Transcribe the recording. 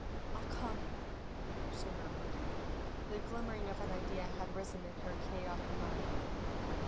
"I'll come," she murmured. The glimmering of an idea had risen in her chaotic mind.